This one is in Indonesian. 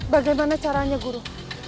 bagaimana caranya guru